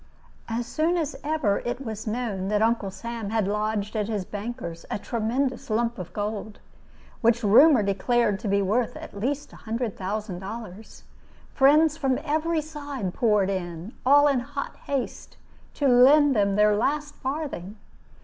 As soon as ever it was known that Uncle Sam had lodged at his banker's a tremendous lump of gold, which rumor declared to be worth at least a hundred thousand dollars, friends from every side poured in, all in hot haste, to lend him their last farthing.